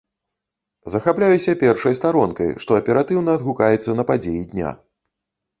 Захапляюся першай старонкай, што аператыўна адгукаецца на падзеі дня.